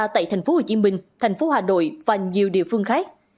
tại thành phố hồ chí minh thành phố hà nội và nhiều địa phương khác